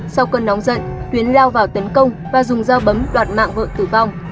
sau cơn nóng giận tuyến lao vào tấn công và dùng dao bấm đoạt mạng vợ tử vong